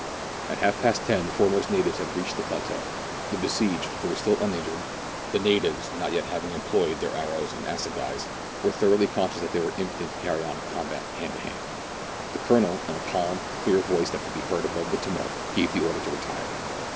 At half past ten the foremost natives had reached the plateau. The besieged, who were still uninjured (the natives not yet having employed their arrows and assagais), were thoroughly conscious they were impotent to carry on a combat hand to hand. The Colonel, in a calm, clear voice that could be heard above the tumult, gave the order to retire.